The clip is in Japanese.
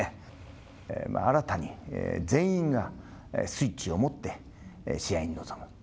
新たに全員がスイッチを持って試合に臨む。